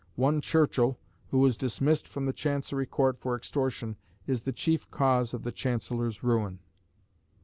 One Churchill, who was dismissed from the Chancery Court for extortion, is the chief cause of the Chancellor's ruin."